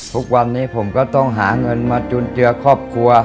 ทุกวันนี้ผมก็ต้องหาเงินมาจุนเจือครอบครัว